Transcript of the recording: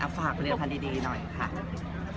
ฝากผลิตภัณฑ์ดีหน่อยค่ะ